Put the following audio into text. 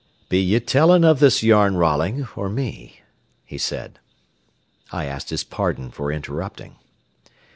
"Be ye tellin' o' this yarn, Rolling, or me?" he said. I asked his pardon for interrupting.